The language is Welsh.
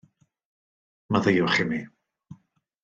Maddeuwch i mi.